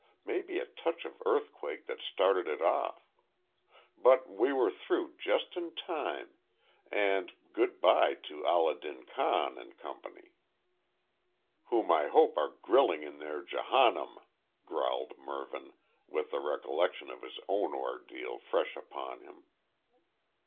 Maybe a touch of earthquake that started it off. But we were through just in time, and good bye to Allah din Khan and Co." "Whom I hope are grilling in their Jehanum," growled Mervyn, with the recollection of his own ordeal fresh upon him.